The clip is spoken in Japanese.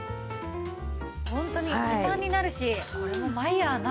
ホントに時短になるしこれもマイヤーならではですよね。